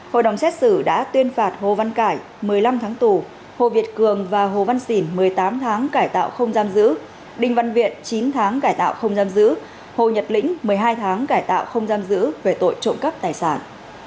hội đồng xét xử đã tuyên phạt hồ văn cải một mươi năm tháng tù hồ việt cường và hồ văn xỉn một mươi tám tháng cải tạo không giam giữ đinh văn viện chín tháng cải tạo không giam giữ hồ nhật lĩnh một mươi hai tháng cải tạo không giam giữ về tội trộm cắp tài sản